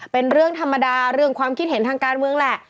เป็นเรื่องธรรมดาเรื่องความคิดเห็นทางการเมืองแหละ